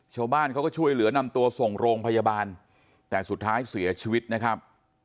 ชาวบ้านเขาก็ช่วยเหลือนำตัวส่งโรงพยาบาลแต่สุดท้ายเสียชีวิตนะครับ